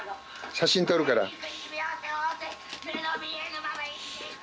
写真撮るから。